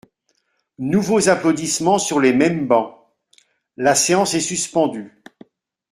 (Nouveaux applaudissements sur les mêmes bancs.) La séance est suspendue.